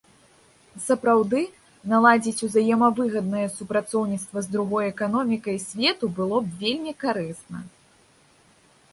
Сапраўды, наладзіць узаемавыгаднае супрацоўніцтва з другой эканомікай свету было б вельмі карысна.